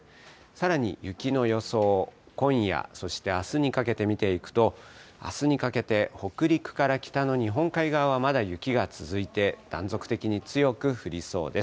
さらに雪の予想、今夜、そしてあすにかけて見ていくと、あすにかけて北陸から北の日本海側はまだ雪が続いて、断続的に強く降りそうです。